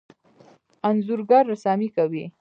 انځورګر رسامي کوي.